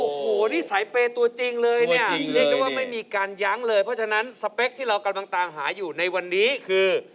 โอ้โหนิสัยเปย์ตัวจริงเลยเนี่ยเรียกได้ว่าไม่มีการยั้งเลยเพราะฉะนั้นสเปคที่เรากำลังตามหาอยู่ในวันนี้คือ